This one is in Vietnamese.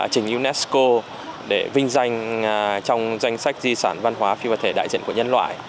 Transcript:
trình unesco để vinh danh trong danh sách di sản văn hóa phi vật thể đại diện của nhân loại